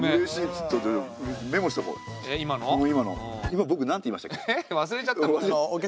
今僕何て言いましたっけ？